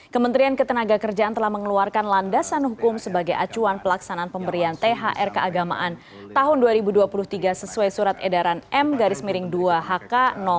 kementerian ketenagakerjaan telah mengeluarkan landasan hukum sebagai acuan pelaksanaan pemberian thrk agamaan tahun dua ribu dua puluh tiga sesuai surat edaran m dua hk empat ribu tiga dua ribu dua puluh tiga